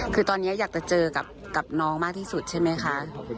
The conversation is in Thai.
คือตอนนี้อยากจะเจอกับน้องมากที่สุดใช่ไหมคะ